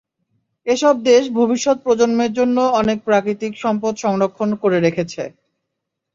এসব দেশ ভবিষ্যৎ প্রজন্মের জন্য অনেক প্রাকৃতিক সম্পদ সংরক্ষণ করে রেখেছে।